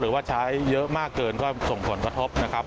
หรือว่าใช้เยอะมากเกินก็จะส่งผลกระทบ